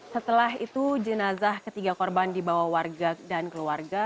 setelah itu jenazah ketiga korban dibawa warga dan keluarga